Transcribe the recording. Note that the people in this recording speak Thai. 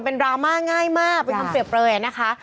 เป็นดราม่าง่ายมากเป็นคำเปรียบเปลยนะคะ